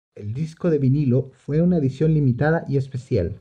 El disco de vinilo fue una edición limitada y especial.